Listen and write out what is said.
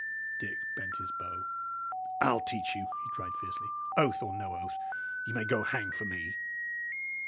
Dick bent his bow. "I'll teach you!" he cried, fiercely. "Oath or no oath, ye may go hang for me!"